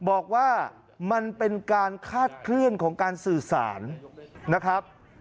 บอกว่ามันเป็นการคาดเคลื่อนของการสื่อสารนะครับ